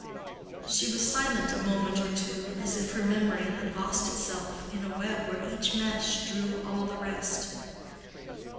She was silent a moment or two, as if her memory had lost itself in a web where each mesh drew all the rest.